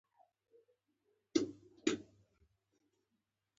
بیزو، بیزووې، بیزوو